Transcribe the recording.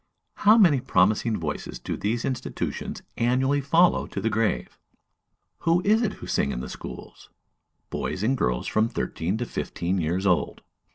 How many promising voices do these institutions annually follow to the grave? Who is it who sing in the schools? Boys and girls from thirteen to fifteen years old.